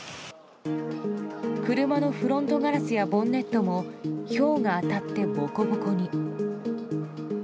車のフロントガラスやボンネットもひょうが当たってボコボコに。